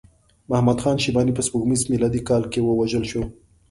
محمد خان شیباني په سپوږمیز میلادي کال کې ووژل شو.